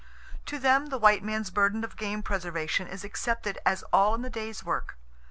To them, the white man's burden of game preservation is accepted as all in the day's work.